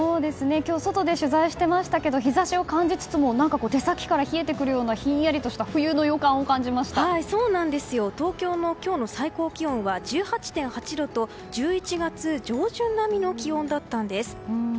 今日、外で取材してましたが日差しを感じつつも手先から冷えてくるようなひんやりとした東京も今日の最高気温は１８．８度と１１月上旬並みの気温だったんです。